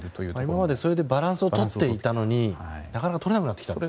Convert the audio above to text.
今までそれでバランスをとっていたのにとれなくなってきたと。